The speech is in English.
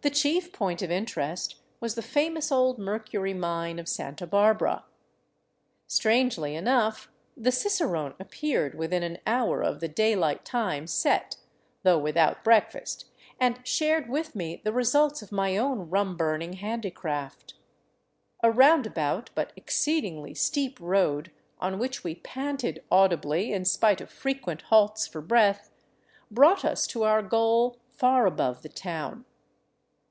The chief point of interest was the famous old mercury mine of Santa Barbara. Strangely enough, the cicerone appeared within an hour of the daylight time set, though without breakfast, and shared with me the results of my own rum burning handicraft. A round about, but exceedingly steep road, on which we panted audibly in spite of frequent halts for breath, brought us to our goal far above the town.